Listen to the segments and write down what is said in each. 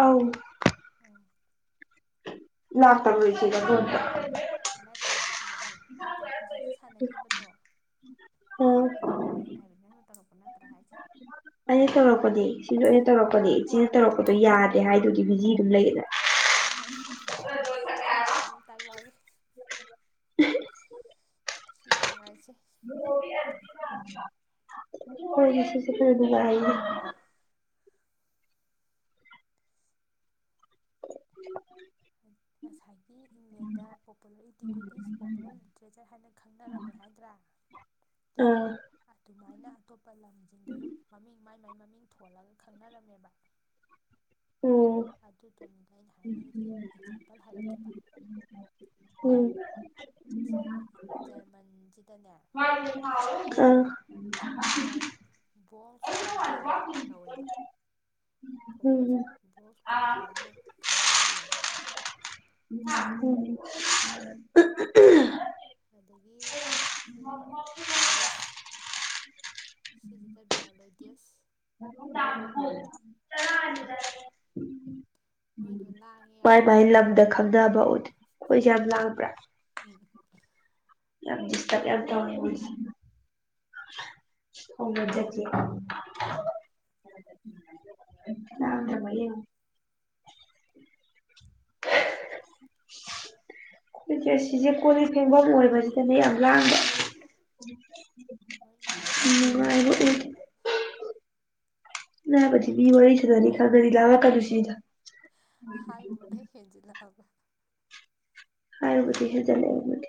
ꯑꯥꯎ ꯎꯝ ꯂꯥꯛꯇ [unintelligible] ꯅꯠꯇꯦ ꯂꯥꯛꯑꯦ ꯅꯠꯇꯦ ꯍꯧꯖꯤꯛꯀꯤ ꯁꯥꯟꯅꯈꯤꯕꯗꯣ ꯑꯗꯨꯗꯨꯅꯦ ꯑꯩꯅ ꯍꯥꯏꯕꯗꯤ ꯅꯪꯅ ꯇꯧꯔꯛꯄ ꯅꯠꯇ꯭ꯔꯥ ꯍꯥꯏꯁꯦ ꯑꯩꯅ ꯇꯧꯔꯛꯄꯅꯦ ꯁꯤꯖꯨ ꯇꯧꯔꯛꯄꯅꯦ ꯁꯤꯅ ꯇꯧꯔꯛꯄꯗꯣ ꯌꯥꯗꯦ ꯍꯥꯏꯗꯨꯗꯤ ꯕꯤꯖꯤ ꯑꯗꯨꯝ ꯂꯩꯌꯦꯅ ꯍ ꯍꯣꯏ ꯍ ꯁꯤ ꯑꯃꯨꯛ ꯇꯥꯛ ꯂꯥꯛꯑꯒꯦ [unintelligible] ꯁꯤ ꯅꯨꯡꯉꯥꯏꯁꯦ ꯋꯥꯔꯤꯁꯤꯁꯨ ꯈꯔ ꯅꯨꯡꯉꯥꯏꫪꯤ [inaudible] ꯉꯁꯥꯏꯒꯤ England popular antiquities popular treasure ꯍꯥꯏꯅ ꯈꯪꯅꯔꯝꯃꯦ ꯍꯥꯏꯗ꯭ꯔꯥ ꯎꯝ ꯑꯗꯨꯃꯥꯏꯅ ꯑꯇꯣꯞꯄ ꯂꯝꯁꯤꯡꯗꯁꯨ ꯃꯃꯤꯡ ꯃꯥꯏ ꯃꯥꯏ ꯃꯃꯤꯡ ꯊꯣꯜꯂꯒ ꯈꯪꯅꯔꯝꯃꯦꯕ ꯎꯝ ꯑꯗꯨꯗꯨꯅꯤꯗ ꯑꯩꯅ ꯍꯥꯏꯅꯤꯡꯉꯤꯁ ꯑꯦꯛꯖꯥꯝꯄꯜ ꯍꯥꯏꯔꯛꯀꯦꯕ ꯎꯝ ꯁꯤ ꯖꯔꯃꯟꯁꯤꯗꯅꯦ ꯖꯔꯃꯟꯗ ꯕꯣꯁ ꯀꯨꯟꯗꯦ ꯀꯧꯋꯦꯕ ꯊꯣꯛꯣꯂꯣꯁꯦ ꯕꯣꯜ ꯀꯨꯟꯗꯦ ꯍꯥꯏꯅ ꯈꯪꯅꯔꯝꯃꯦꯕ ꯝ [inaudible] ꯑꯗꯒꯤ ꯁꯤ ꯑꯥꯏꯔꯤꯁ ꯁꯤꯖꯤꯗ ꯕꯤꯌꯥꯂꯣꯏ ꯗ꯭ꯁ ꯥꯡꯗ [inaudible] ꯃꯥꯏ ꯃꯥꯏ ꯂꯝꯗ ꯈꯪꯗꯕ ꯎꯗꯤ ꯑꯩꯈꯣꯏꯁꯦ ꯌꯥꯝ ꯂꯥꯡꯕ꯭ꯔꯥ ꯎꯝ ꯌꯥꯝ ꯗꯤꯁꯇꯞ ꯌꯥꯝ ꯇꯧꯏ ꯑꯣ ꯃꯖꯦꯛꯀꯤ [inaudible] ꯑ [inaudible] [inaudible] ꯁꯤꯁꯦ ꯀꯣꯂꯤ ꯐꯦꯡꯐꯝ ꯑꯣꯏꯕꯁꯤꯗꯅꯦ ꯌꯥꯝ ꯂꯥꯡꯕ ꯎ [inaudible] ꯍꯣꯏ ꯌꯥꯝ ꯂꯥꯡꯏ ꯅ ꯄ ꯕꯤ ꯋꯥꯔꯤ ꯋꯥꯔꯤ ꯆꯗꯔꯤꯦ ꯈꯥꯒꯔꯤ ꯂꯥꯋꯥ ꯀꯥꯗꯨꯁꯤꯗ ꯍꯦꯟꯖꯤꯜꯅ ꯐꯪꯉꯨ ꯍꯥꯏꯔꯕꯨꯗꯤ ꯍꯦꯟꯖꯤꯜꯂꯦꯕꯨꯗꯤ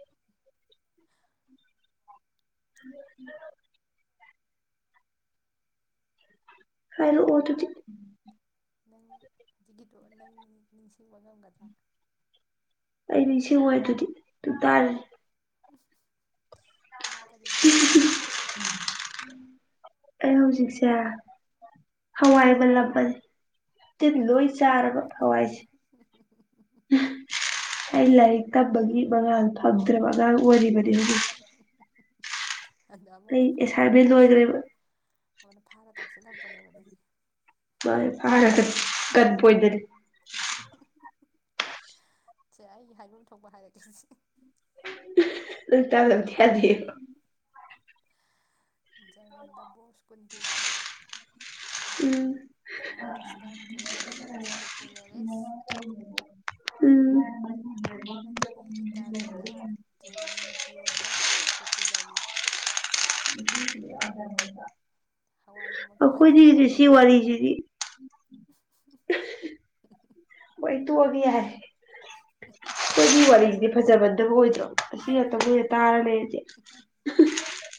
ꯎꯝ [inaudible] ꯍꯥꯢꯔꯛꯑꯣ ꯑꯗꯨꯗꯤ ꯅꯪ ꯍꯧꯖꯤꯛꯀꯤꯗꯣ ꯅꯪ ꯅꯤꯡꯁꯤꯡꯕ ꯉꯝꯒꯗ꯭ꯔꯥ ꯑꯩ ꯅꯤꯡꯁꯤꯡꯉꯣꯏ ꯑꯗꯨꯗꯤ ꯑꯗꯨ ꯇꯥꯔꯦ ꯅꯪ ꯀꯔꯤ ꯇꯥꯎꯔꯤ ꯍꯧꯖꯤꯛ ꯎꯝ [inaudible] ꯑꯩ ꯍꯧꯖꯤꯛꯁꯦ ꯍꯋꯥꯏ ꯃꯥꯜꯂꯝꯕꯅꯦ ꯇꯤꯟ ꯂꯣꯏ ꯆꯥꯔꯕ ꯍꯋꯥꯏꯁꯦ ꯍ ꯍ ꯍ ꯍ [inaudible] ꯑꯩ ꯂꯥꯏꯔꯤꯛ ꯇꯝꯕꯒꯤ ꯃꯉꯥꯜ ꯐꯪꯗ꯭ꯔꯕ ꯑꯉꯥꯡ ꯑꯣꯏꯔꯤꯕꯅꯤ ꯍꯧꯖꯤꯛ ꯎ [inaudible] ꯑꯗ ꯑꯃꯅ ꯐꯥꯔ ꯇꯥꯛꯁꯤꯜꯂꯛ ꯑꯃꯅ ꯐꯥꯔ ꯇꯥꯛꯁꯤꯜꯂꯛꯄꯅꯦꯕ ꯑꯗꯨꯗꯤ ꯃꯥꯅꯦ ꯐꯔꯒ ꯒꯥꯟ ꯄꯣꯢꯟ ꯗꯅꯦ ꯁꯦ ꯑꯩꯒꯤ ꯍꯥꯏꯐꯝ ꯊꯣꯛꯄ ꯍꯥꯏꯔꯒꯦ ꯂ ꯇ ꯂꯝ ꯊꯌꯥꯗꯤ [inaudible] ꯖꯔꯃꯟꯗ ꯕꯣꯁ ꯀꯨꯟꯇꯤ [inaudible] ꯎꯝ ꯐ꯭ꯔꯥꯟꯁꯇ ꯇ꯭ꯔꯦꯗꯤꯁꯟꯁ ꯄꯣꯄꯨꯂꯔꯤꯦꯁ [inaudible] ꯑꯗꯒꯤ ꯏꯇꯥꯂꯤꯗ ꯇ꯭ꯔꯦꯂꯤꯗꯤꯌꯣꯅꯤ ꯄꯣꯄꯨꯂꯔꯤ ꯑꯩꯈꯣꯏꯗꯤ ꯁꯤ ꯋꯥꯔꯤꯁꯤꯗꯤ ꯂꯣꯏ ꯇꯣꯛꯑꯒꯦ ꯌꯥꯔꯦ ꯑꯩꯈꯣꯢꯒꯤ ꯋꯥꯔꯤꯁꯤꯗꯤ ꯐꯖꯃꯥꯟꯗꯕ ꯑꯣꯏꯗ꯭ꯔꯣ ꯑꯁꯤ ꯉꯥꯛꯇꯈꯅ [inaudible] ꯇꯥꯔ ꯂꯩꯔꯁꯦ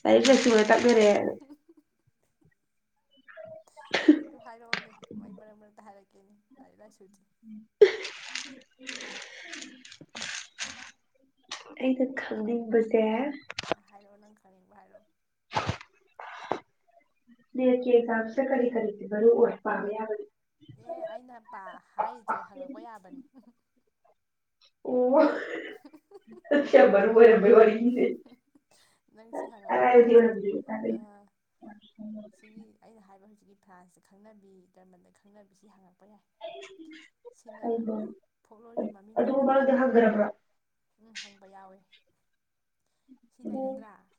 ꯂꯥꯏꯔꯤꯛ ꯂꯥꯏꯁꯨ ꯑꯣꯏꯅ ꯇꯥꯛꯅꯔꯦꯅ ꯅꯪꯗꯨ ꯍꯥꯏꯔꯛꯑꯣꯅꯦ ꯑꯩ ꯃꯔꯛ ꯃꯔꯛꯇ ꯍꯥꯏꯔꯛꯀꯦꯅꯤ ꯂꯥꯏꯔꯤꯛ ꯂꯥꯏꯁꯨꯒꯤ ꯎ [inaudible] ꯑꯩꯅ ꯈꯪꯅꯤꯡꯕꯁꯦ ꯍꯥꯏꯔꯛꯑꯣ ꯅꯪ ꯈꯪꯅꯤꯡꯕ ꯍꯥꯏꯔꯛꯑꯣ ꯅꯦꯠꯒꯤ ꯑꯦꯠꯖꯥꯝ ꯁꯦ ꯀꯔꯤ ꯀꯔꯤꯗꯤ ꯃꯔꯨ ꯑꯣꯢ ꯄꯥꯕ ꯌꯥꯕꯁꯦ ꯑꯦ ꯑꯩꯅ ꯍꯥꯏꯔꯤꯁꯦ ꯍꯪꯉꯛꯄ ꯌꯥꯕꯅꯤ ꯑꯣꯕꯔꯕ ꯌꯥꯝ ꯋꯥꯔꯤꯔ ꯏꯗꯤꯦ [inaudible] ꯅꯪ ꯁꯤ ꯍꯪꯉꯛꯄ ꯌꯥ ꯍꯤꯖꯔ ꯁꯤꯒꯤ ꯑꯩꯅ ꯍꯥꯏꯕ ꯍꯧꯖꯤꯛꯀꯤ ꯐ꯭ꯔꯥꯟꯁꯇ ꯈꯪꯅꯕꯤ ꯖꯔꯃꯟꯗ ꯈꯪꯅꯕꯤ ꯁꯤ ꯍꯪꯉꯛꯄ ꯌꯥꯏ ꯁꯤꯅ ꯐꯣꯛꯂꯣꯜꯒꯤ ꯃꯃꯤꯡ ꯂꯩꯔꯗ꯭ꯔꯥ ꯎ ꯍꯪꯕ ꯌꯥꯎꯋꯦ ꯁꯤ ꯂꯩꯔ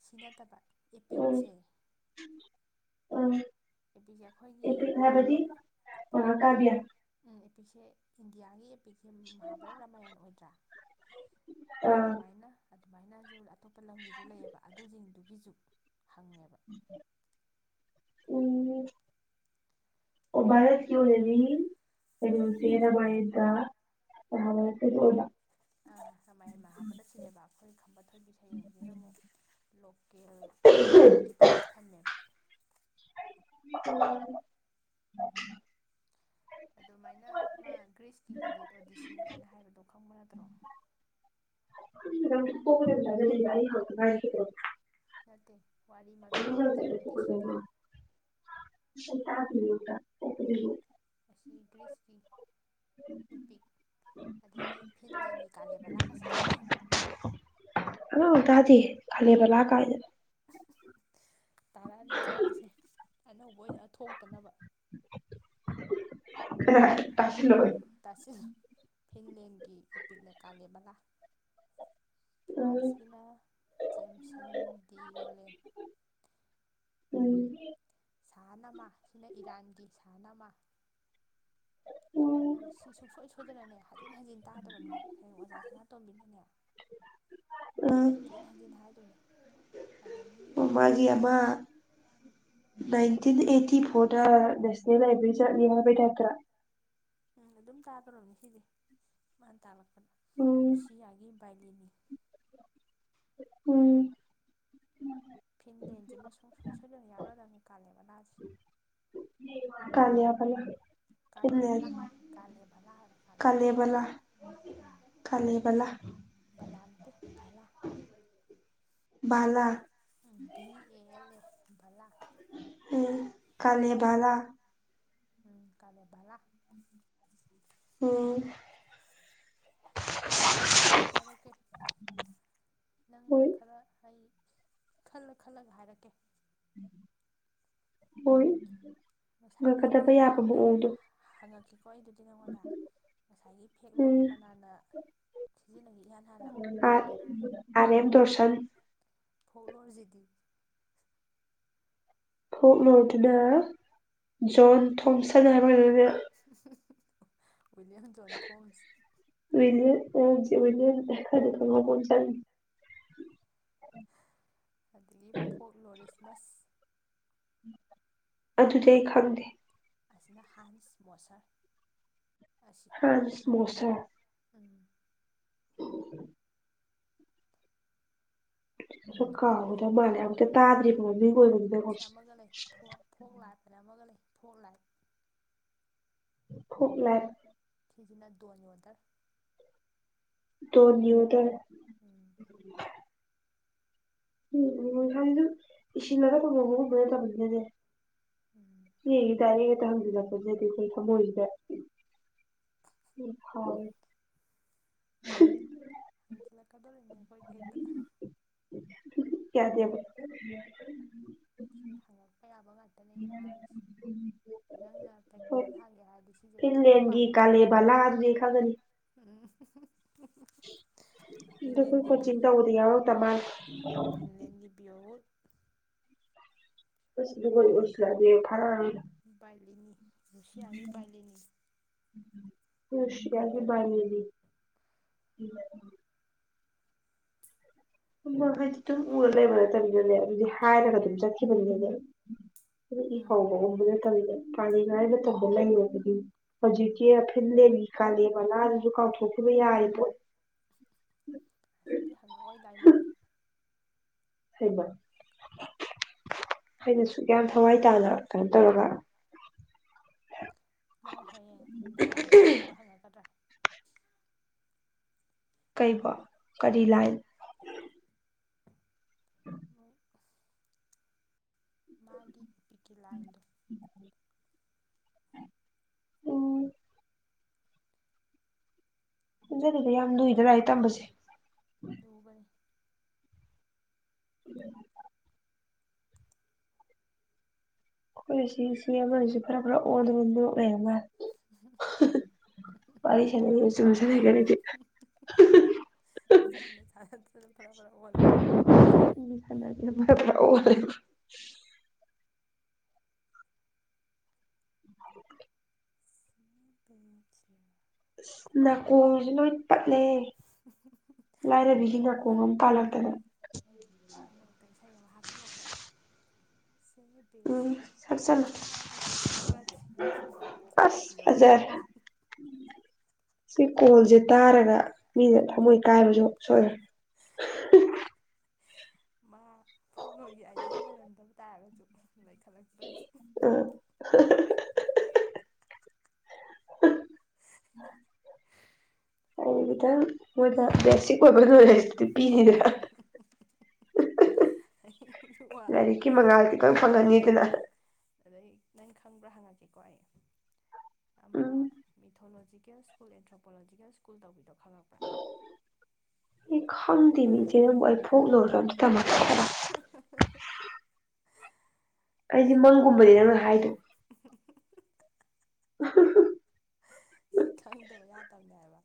ꯁꯤ ꯅꯠꯇꯕ ꯏꯄꯤꯛꯁꯦ ꯑꯝ ꯢꯄꯤꯛꯁꯦ ꯑꯩꯈꯣꯏꯒꯤ ꯕ ꯑꯣ ꯀꯕ꯭ꯌ [inaudible] ꯎ ꯑꯦꯄꯤꯛꯁꯦ ꯏꯟꯗꯤꯌꯥꯒꯤ ꯑꯦꯄꯤꯛꯁꯦ ꯃꯍꯥꯚꯥꯔꯠ ꯔꯥꯃꯥꯌꯟ ꯑꯣꯏꯗ꯭ꯔꯥ ꯑꯗꯨꯃꯥꯏꯅ ꯑꯗꯨꯃꯥꯏꯅꯁꯨ ꯑꯇꯣꯞꯄ ꯂꯝꯒꯤꯁꯨ ꯂꯩꯌꯦꯕ ꯑꯗꯨꯁꯤꯡꯗꯨꯒꯤꯁꯨ ꯍꯪꯉꯦꯕ ꯎꯝ ꯑꯣ ꯔ ꯀꯌꯎꯦꯅꯤꯩꯅ ꯁꯤꯅꯕꯥꯗ [inaudible] ꯑꯠꯇꯅ [inaudible] ꯁꯃꯥꯏꯟꯃ ꯍꯥꯄꯗ ꯁꯤꯅꯦꯕ ꯑꯩꯈꯣꯏ ꯈꯥꯝꯕ ꯊꯣꯏꯕꯤ ꯁꯩꯔꯦꯡꯁꯤꯅ ꯑꯃꯨꯛ ꯂꯣꯀꯦꯜ ꯢꯄꯤꯛꯒꯤ ꯇꯥꯏꯞꯁ ꯊꯝꯃꯦꯕ ꯎꯝ [inaudible] ꯑꯗꯨꯃꯥꯏꯅ ꯃꯥ ꯒ꯭ꯔꯤꯁꯀꯤ ꯏꯂꯤꯠ ꯑꯣ ꯗꯤ ꯁꯤꯅꯤ ꯀꯥꯏꯅ ꯍꯥꯏꯕꯗꯣ ꯈꯪꯕ ꯅꯠꯇ꯭ꯔꯣ ꯄꯣꯈꯒꯗꯤ ꯌꯥꯏ [inaudible] ꯅꯠꯇꯦ ꯋꯥꯔꯤ ꯃꯃꯤꯡꯅꯤ ꯏꯒꯦꯗꯣ ꯗꯤ ꯁꯤꯗꯤ ꯇꯥꯔꯤ ꯑꯁꯤ ꯗꯔꯤꯁꯄꯤ ꯏꯄꯤꯛ ꯑꯗꯒꯤ ꯐꯤꯟꯂꯦꯟꯒꯤ ꯀꯥꯂꯦꯟꯕꯂꯥꯀꯁꯨ ꯇꯥꯗꯦ ꯑꯥꯎ ꯇꯗꯤ ꯈꯂꯦꯕꯂ ꯀ ꯇꯥꯔꯛꯑꯅꯤ ꯇꯥꯔꯛꯅꯤꯁꯦ ꯑꯅꯧꯕ ꯑꯣꯏꯅ ꯑꯣꯏꯅꯒ ꯊꯣꯛꯇꯅꯕ ꯇꯁꯤꯂ ꯇꯥꯁꯤꯅ ꯐꯤꯟꯂꯦꯟꯒꯤ ꯑꯦꯄꯤꯛꯅ ꯀꯥꯂꯦꯕꯂꯥ ꯐ꯭ꯔꯥꯟꯁꯀꯤꯅ ꯆꯦꯝꯁꯟ ꯗꯤ ꯔꯣꯂꯦꯟ ꯎꯝ ꯁꯍꯅꯃ ꯁꯤꯅ ꯏꯔꯥꯟꯒꯤ ꯁꯍꯅ ꯑꯃ ꯅꯪ ꯁꯤ ꯁꯨꯡꯁꯣꯏ ꯁꯣꯏꯗꯅꯅꯦ ꯍꯥꯖꯤꯟ ꯍꯖꯤꯟ ꯇꯥꯗ꯭ꯔꯔꯕꯅꯦ ꯍꯌꯦꯡ ꯑꯣꯖꯥ ꯁꯅꯥꯇꯣꯝꯕꯤꯅꯅꯦ ꯍꯟꯖꯤꯟ ꯍꯟꯖꯤꯟ ꯍꯥꯏꯗꯣꯏꯅꯦ ꯑꯗꯒꯤ ꯃꯥꯒꯤ ꯑꯃ ꯅꯥꯏꯟꯇꯤꯟ ꯑꯩꯠꯇꯤ ꯐꯣꯔꯗ ꯅꯦꯁꯅꯦꯜ ꯂꯥꯏꯕ꯭ꯔꯦꯔꯤ ꯆꯠꯂꯤ ꯍꯥꯏꯕꯩ ꯇ ꯎꯝ ꯑꯗꯨꯝ ꯇꯥꯗꯕꯅꯤ ꯁꯤꯗꯤ ꯃꯥꯅ ꯇꯥꯛꯂꯛꯄꯗ ꯂꯨꯁꯤꯌꯥꯒꯤ ꯕꯥꯏꯂꯤꯅꯤ ꯎꯝ ꯐꯤꯟꯂꯤꯦꯟꯖꯤ ꯑꯃ ꯁꯨꯡꯁꯣꯏ ꯁꯣꯏꯌꯥꯂꯣꯖꯪ ꯀꯥꯂꯃꯕꯥꯁ ꯀꯜꯂꯤꯂꯤꯌꯥꯕ ꯆꯂ ꯀꯂꯦꯕꯂ ꯈꯂꯕꯂ ꯕꯂꯥꯡꯗ ꯚꯂ ꯕꯥꯂꯥ ꯕꯤ ꯑꯦ ꯑꯦꯜ ꯑꯦ ꯚꯂꯥ ꯀꯥꯂꯂꯤꯌꯥꯕꯥꯂꯥ ꯎꯝ ꯀꯂꯦꯕꯂ ꯎꯝ ꯁꯦ ꯍꯥꯏꯔꯛꯀꯦ ꯅꯪꯅ ꯈꯔ ꯑꯩ ꯈꯜꯂ ꯈꯜꯂꯒ ꯍꯥꯏꯔꯛꯀꯦ ꯍꯣꯏ ꯉꯁꯥꯏꯒꯤ ꯑꯩ ꯅꯪ ꯍꯪꯉꯛꯀꯦꯀꯣ ꯑꯩꯗꯤꯠ ꯅꯪꯉꯣꯟꯗ ꯉꯁꯥꯏꯒꯤ ꯐꯦꯛꯂꯣꯗꯣ ꯀꯅꯥꯅ ꯁꯤꯖꯤꯟꯅꯍꯤ ꯏꯍꯥꯟ ꯍꯥꯟꯅ ꯑꯥꯠ ꯑꯔ ꯑꯦꯝ ꯗꯣꯔꯁꯟ ꯐꯣꯛꯂꯣꯔꯖꯤꯗꯤ ꯈꯣꯛꯂꯣꯔꯗꯨꯅ ꯖꯣꯟ ꯊꯣꯝꯁꯟ ꯍꯥꯏꯕ [inaudible] ꯋꯤꯂꯤꯌꯝ ꯖꯣꯟ ꯊꯣꯡꯁ ꯋꯤꯂꯦ ꯑ ꯖꯤ ꯋꯤꯂꯦꯟ ꯑ ꯈꯔꯗꯤ ꯊꯣꯡꯈꯧꯕ ꯖꯟ ꯑꯗꯒꯤ ꯐꯣꯛ ꯂꯣꯔꯤꯁꯃꯁ ꯑꯗꯨꯗꯤ ꯈꯪꯗꯦ ꯑꯁꯤꯅ ꯍꯥꯟꯁ ꯃꯣꯁꯔ ꯑꯁ ꯍꯥꯟꯁ ꯃꯣꯁꯔ ꯐꯪꯏ ꯎ ꯂꯦ ꯑꯗꯨꯅꯠ ꯑꯩ ꯑ ꯆꯤꯌꯝꯃꯒ ꯂꯩ ꯐꯣ ꯐꯣꯛ ꯂꯥꯠꯇꯤꯟ ꯑꯃꯒ ꯂꯩ ꯐꯣꯛ ꯂꯥꯏꯠ ꯈꯨꯛ ꯂꯥꯏꯠ ꯊꯤꯖꯤꯅ ꯗꯣꯟ ꯑꯣꯗꯔ ꯇꯣꯟꯌꯨꯗꯔ ꯎꯝ ꯎꯝ ꯎꯝ ꯍꯥꯏꯗꯣ ꯏꯁꯤꯜꯂꯒ ꯊꯝꯍꯧꯕꯒꯨꯝꯕ ꯅꯠꯇꯕꯅꯤꯅꯅꯦ ꯎꯝ ꯌꯦꯌꯦ ꯗꯥꯏꯔꯦ ꯍꯦꯛꯇ ꯍꯪꯖꯤꯜꯂꯛꯄꯖꯤꯅꯗꯤ ꯑꯈꯣꯏ ꯊꯃꯣꯏꯖꯤꯗ ꯑꯝ ꯍꯥꯎꯋꯤ ꯍꯦꯟꯖꯤꯜꯂꯀꯗꯣꯔꯦ ꯃꯨꯈꯣꯏꯒꯤ ꯍꯦꯛꯇ ꯀꯌꯥ ꯗꯦꯕ ꯍꯉꯛꯄ ꯌꯥꯕꯦ ꯉꯠ ꯗꯅꯦ ꯑꯩꯅ ꯍꯥꯏꯁꯤ ꯅꯪꯅ ꯄꯩꯈꯥ ꯊꯥꯒꯦ ꯍꯥꯏꯗꯤ ꯁꯤꯖꯦ ꯑꯗꯨꯝ ꯄꯥꯗꯣꯔꯕ ꯅꯤ ꯈꯪꯉꯅꯤ ꯑꯝ [inaudible] ꯗ ꯀꯣꯏ ꯀꯣꯆꯤꯟꯇꯧꯕꯗꯣ ꯌꯥꯎꯔꯛꯇ ꯃꯥꯜ ꯀꯁꯕꯤꯕꯣꯏ ꯑꯣꯏꯁꯤꯂꯗꯦ ꯇꯔꯛꯑꯔꯣꯏꯗ ꯕꯥꯏꯂꯤꯅꯤ ꯔꯨꯁꯤꯌꯥꯒꯤ ꯕꯥꯏꯂꯤꯅꯤ ꯔꯨꯁꯤꯌꯥꯒꯤ ꯕꯥꯜꯅꯤꯅꯤ ꯎꯝꯃ ꯍꯥꯏꯗꯤ ꯇꯨꯝ ꯎꯔ ꯂꯩꯕ ꯅꯠꯇꯃꯤꯅꯅꯦ ꯑꯗꯨꯗꯤ ꯍꯥꯏꯔꯒ ꯑꯗꯨꯝ ꯆꯠꯈꯤꯕꯅꯤꯅꯅꯦ ꯑꯗꯏ ꯍꯎꯕꯒꯨꯝꯕ ꯅꯠꯇꯃꯤꯅ ꯄꯔꯥꯅꯤꯟ ꯍꯥꯏꯅ ꯇꯧꯕ ꯂꯩꯌꯣꯗꯨꯗꯤ ꯍꯧꯖꯤꯛꯀꯤ ꯁꯤꯜꯂꯦꯂꯤ ꯀꯥꯂꯦ ꯕꯂꯥꯗꯖꯨ ꯀꯥꯎꯊꯣꯛꯈꯤꯕ ꯌꯥꯔꯤ ꯄꯣꯠ ꯗꯤ ꯍꯪꯉꯛꯑꯣꯏ ꯂꯥꯏꯃꯜꯂꯤ ꯍꯩꯃ ꯑꯩꯅ ꯁꯨꯛ ꯌꯥꯝ ꯊꯋꯥꯏ ꯇꯥꯅ ꯀꯟ ꯇꯧꯔꯒ ꯃꯥꯏ ꯍꯌꯦꯡ ꯂꯥꯏꯟ ꯃꯁꯤꯡꯒꯨꯝꯕ ꯍꯌꯀꯗ꯭ꯔꯥ ꯀꯩꯕꯣ ꯀꯔꯤ ꯂꯥꯏꯟ ꯃꯩ ꯑꯁ ꯃꯥꯒꯤ ꯀꯤꯀꯤ ꯂꯥꯏꯟꯗꯣ ꯖꯔꯤꯗ ꯌꯥꯝ ꯂꯨꯏꯗ ꯂꯥꯏꯔꯤꯛ ꯇꯝꯕꯁꯤ ꯂꯨꯕꯅꯤ ꯑꯩꯈꯣꯏꯁꯤꯁꯤ ꯑꯃꯁꯨ ꯐꯔꯥ ꯐꯔꯥ ꯑꯣꯟꯗ ꯅꯣꯛ ꯂꯩꯔ ꯃꯥꯜꯦ ꯋꯥꯔꯤꯁ ꯂꯩ ꯆ ꯃꯁꯅꯀꯅꯤ ꯁ ꯁꯔ ꯐꯔ ꯐꯔ ꯋꯥꯣꯂ ꯁꯥꯟꯅ꯭ꯔ ꯇꯁ ꯅꯅꯥꯀꯣ ꯄꯠꯂꯦ ꯂꯥꯏꯔꯕꯤꯒꯤ ꯅꯥꯀꯣꯡ ꯑꯃ ꯄꯥꯜꯂꯛꯇꯅ ꯃꯔꯛ ꯃꯔꯛꯇ ꯏꯁꯩ ꯑꯃ ꯍꯥꯞꯆꯤꯜꯂꯛꯄ ꯁꯦ ꯄꯂ ꯁꯝꯗꯤ ꯁꯝ ꯀꯣ ꯍꯥꯏꯜ ꯁꯤ ꯀꯣꯜꯁꯦ ꯇꯥꯔꯒ ꯃꯤꯅꯦ ꯊꯃꯣꯏ ꯀꯥꯏꯕꯁꯨ ꯁꯣꯏꯈꯦ ꯃꯥ ꯐꯣꯛ ꯂꯣꯟꯒꯤ ꯑꯥꯏꯗꯤꯌꯥ ꯂꯩꯔꯝꯗꯕ ꯇꯥꯔꯒꯁꯨ ꯂꯩꯈꯠꯂꯛꯛꯇꯣꯏꯅꯤ ꯎꯥ ꯑꯩꯒꯤꯗ ꯃꯣꯏꯗꯥ ꯦꯁꯤ ꯀ ꯂ ꯍꯥꯏ ꯂꯥꯏꯔꯤꯛꯀꯤ ꯃꯉꯥꯜꯗꯤ ꯂꯣꯏꯝ ꯐꯪꯍꯟꯅꯤꯗꯅ ꯑꯗꯩ ꯅꯪ ꯈꯪꯕ꯭ꯔꯥ ꯍꯪꯉꯛꯀꯦꯀꯣ ꯑꯩ ꯑꯃ ꯑꯦꯊꯣꯂꯣꯖꯤꯀꯦꯜ ꯁꯀꯨꯜꯟ꯭ꯔꯣꯄꯣꯖꯤꯦꯜ꯭ꯀꯜ ꯇꯧꯕꯤꯗꯣꯪꯉꯛ꯭ꯔꯥ ꯈꯪꯗꯦ ꯃꯤꯆꯦ ꯅꯪꯕꯨ ꯑꯩ ꯐꯣꯛ ꯂꯨꯔꯝ ꯇꯝꯃꯛꯇ ꯑꯩꯁꯦ ꯃꯪꯒꯨꯝꯕꯗꯤ ꯅꯪꯅ ꯍꯥꯏꯗꯣ ꯁꯤ ꯈꯪꯗꯕ ꯌꯥꯗꯕꯅꯦꯕ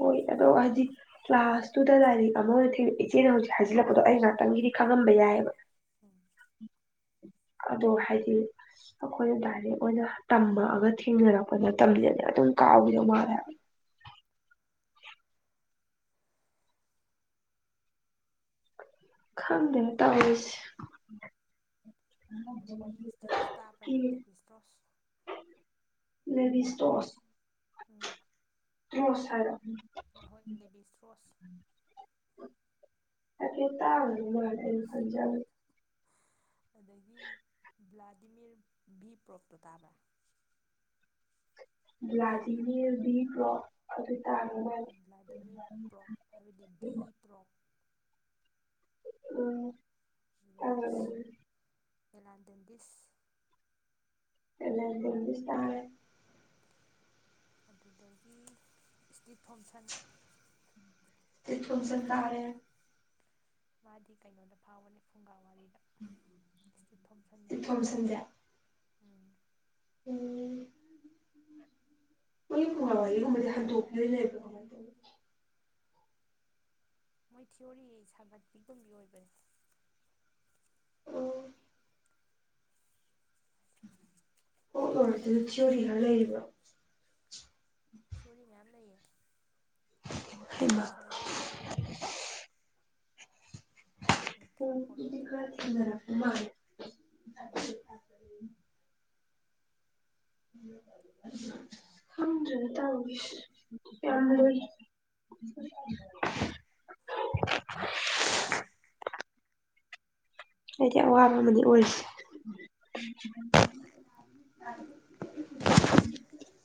ꯑꯣꯏ ꯑꯗꯣ ꯍꯧꯖꯤ ꯀ꯭ꯂꯥꯁ ꯇꯨꯗ ꯂꯥꯏꯔꯤꯛ ꯑꯃ ꯑꯣꯏꯅ ꯊꯤꯛ ꯏꯆꯦꯅ ꯍꯧꯖꯤꯛ ꯍꯥꯏꯖꯤꯜꯂꯛꯄꯗꯣ ꯑꯩ ꯉꯍꯥꯛꯇꯪꯒꯤꯗꯤ ꯈꯪꯉꯝꯕ ꯌꯥꯏꯑꯕ ꯑꯗꯣ ꯍꯥꯏꯗꯤ ꯑꯩꯈꯣꯏꯅ ꯗꯥꯏꯔꯦꯛ ꯑꯣꯏꯅ ꯇꯝꯃꯛꯑꯒ ꯊꯦꯡꯅꯔꯛꯄꯗ ꯇꯝꯕꯤꯗꯅꯦ ꯑꯗꯨꯝ ꯀꯥꯎꯈꯤꯗꯧ ꯃꯥꯜꯂꯦꯕ ꯈꯪꯗꯦꯅ ꯇꯧꯔꯤꯁꯦ ꯂꯦꯕꯤ ꯏꯁꯇ꯭ꯔꯣꯁ ꯇꯥꯕ꯭ꯔꯥ ꯅꯪ ꯂꯦꯕꯤ ꯏꯁꯇ꯭ꯔꯣꯁ ꯃꯦꯕꯤ ꯁꯇꯣꯁ ꯎꯝ ꯍ ꯁꯔ ꯅꯍꯣꯏ ꯗꯦꯕꯤ ꯁ ꯔꯣꯁ ꯑꯦ ꯇꯥꯡ ꯃꯥꯔ ꯈꯖ ꯑꯗꯒꯤ ꯕ꯭ꯂꯥꯗꯤꯃꯤꯔ ꯚ ꯄ꯭ꯔꯣꯞꯇꯣ ꯇꯥꯕ꯭ꯔꯥ ꯕ꯭ꯔꯥꯖꯜ ꯕ꯭ꯔ ꯑꯗꯨꯔꯤ ꯇ ꯕ꯭ꯂꯥꯗꯤꯃꯤꯔ ꯄ꯭ꯔꯣꯛ ꯍꯥꯏꯕꯗꯤ ꯚꯤ ꯄ꯭ꯔꯣꯛ ꯎꯝ ꯁ ꯑꯦꯂꯟ ꯗꯦꯟꯗꯤꯁ ꯑꯦꯁꯥꯔ ꯑꯗꯨꯗꯒꯤ ꯏꯁꯇꯤꯞ ꯊꯣꯝꯁꯟ ꯇ ꯆ ꯇꯥꯔꯦ ꯃꯥꯗꯤ ꯀꯩꯅꯣꯗ ꯐꯥꯎꯕꯅꯦ ꯐꯨꯡꯒꯥ ꯋꯥꯔꯤꯗ ꯏꯁꯤꯁꯇꯤ ꯊꯣꯁꯟꯕꯗꯤ ꯎꯝ ꯎꯝ ꯃꯣꯏꯒꯤ ꯍꯥ ꯋꯥꯔꯤꯔꯤꯒꯨꯝꯕꯗꯤ ꯍꯟꯗꯣꯛꯈꯤꯣꯏꯅꯦꯕ ꯃꯣꯏ ꯊꯤꯑꯣꯣꯔꯤ ꯁꯥꯒꯠꯄꯤꯒꯨꯝ ꯌ ꯑꯣꯏꯕꯅꯦ ꯑꯣ ꯊꯤꯑꯣꯔꯤ ꯈꯔ ꯂꯩꯔꯤꯕꯣ ꯊꯤꯑꯣꯔꯤ ꯃꯌꯥꯝ ꯂꯩꯌꯦ ꯏꯁꯇꯝ ꯆꯦꯂꯦꯜ ꯊꯤꯌꯣꯔꯤ [unintelligible] ꯈꯪꯗꯔꯦꯗꯥ ꯇꯥꯔꯤꯁꯦ [unintelligible] ꯌꯥꯜꯂꯤ ꯑꯩꯗꯤ ꯑꯋꯥꯕ ꯑꯃꯗꯤ ꯑꯣꯏꯔꯤꯁꯦ [unintelligible] [inaudible]